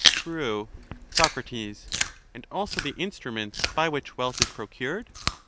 True. Soc. And also the instruments by which wealth is pro cured?